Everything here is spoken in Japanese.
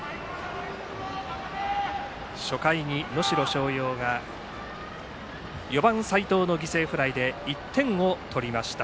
初回に能代松陽が４番、齋藤の犠牲フライで１点を取りました。